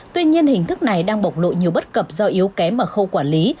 tuy nhiên hình thức này đang bộc lộ nhiều bất cập do yếu kém ở khâu quản lý